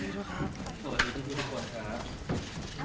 หวัสดีทุกคนครับ